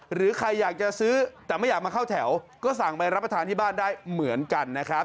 หรือใครอยากจะซื้อแต่ไม่อยากมาเข้าแถวก็สั่งไปรับประทานที่บ้านได้เหมือนกันนะครับ